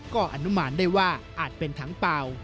ก็อนุมานได้ว่าอาจเป็นถังเปล่า